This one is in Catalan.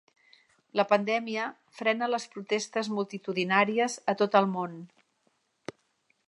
La pandèmia frena les protestes multitudinàries a tot el món.